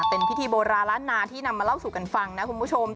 เป็นพิธีโบราณล้านนาที่นำมาเล่าสู่กันฟังนะคุณผู้ชม